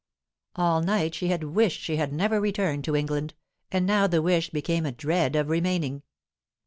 All night she had wished she had never returned to England, and now the wish became a dread of remaining.